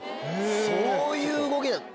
そういう動きなの？